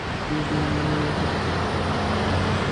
কান্দাসামি, ওর সাথে হাত মিলিয়ে দেখছি বড়োই আত্মবিশ্বাসী হয়ে গেছো।